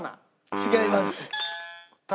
違います。